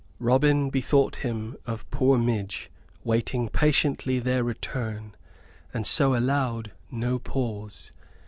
Robin bethought him of poor Midge waiting patiently their return, and so allowed no pause.